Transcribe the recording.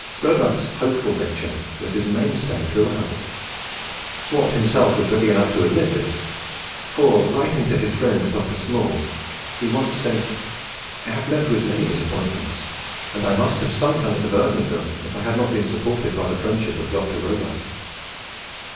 Roebuck's hopeful nature was his mainstay throughout. Watt himself was ready enough to admit this; for, writing to his friend Dr. Small, he once said, "I have met with many disappointments; and I must have sunk under the burthen of them if I had not been supported by the friendship of Dr. Roebuck."